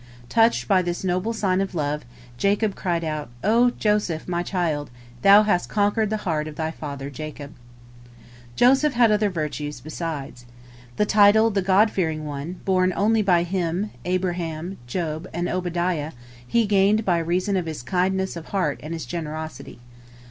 Touched by this noble sign of love, Jacob cried out, "O Joseph, my child, thou hast conquered the heart of thy father Jacob." Joseph had other virtues, besides. The title "the God fearing one," borne only by him, Abraham, Job, and Obadiah, he gained by reason of his kindness of heart and his generosity.